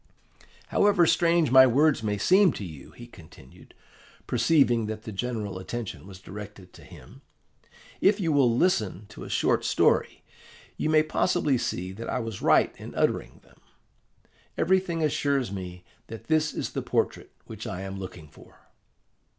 "However strange my words may seem to you," he continued, perceiving that the general attention was directed to him, "if you will listen to a short story, you may possibly see that I was right in uttering them. Everything assures me that this is the portrait which I am looking for."